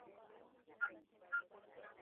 ambao nao walihusika kwenye tukio hilo la ubakaji